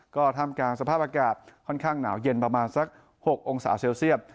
ก็ท่ามกลางสภาพอากาศค่อนข้างหนาวเย็นประมาณสัก๖องศาเซลเซียต